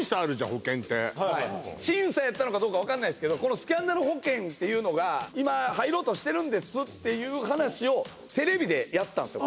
保険って審査やったのかどうか分かんないすけどこのスキャンダル保険っていうのが今入ろうとしてるんですっていう話をテレビでやったんすよ